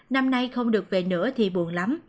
năm nay không được về nữa thì buồn lắm